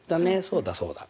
そうだそうだ。